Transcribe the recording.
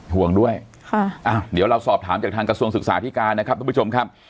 ห่วงด้วยเดี๋ยวเราสอบถามจากทางกระทรวงศึกษาธิการนะครับทุกผู้ชมครับ